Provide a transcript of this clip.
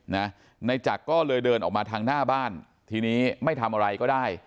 นายจักรก็เลยเดินออกมาทางหน้าบ้านทีนี้ไม่ทำอะไรก็ได้